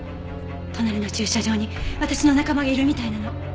隣の駐車場に私の仲間がいるみたいなの。